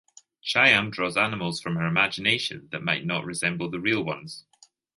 Shyam draws animals from her imagination that might not resemble the real ones.